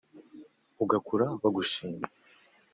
ugakura bagushima